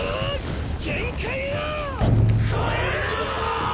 限界を超えるぞ！